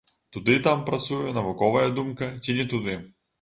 Туды там працуе навуковая думка, ці не туды.